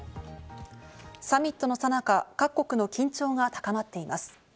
サミットのさなか、各国の緊張が高まっています。